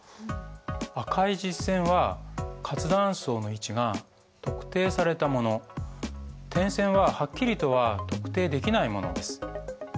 赤い実線は活断層の位置が特定されたもの点線ははっきりとは特定できないものです。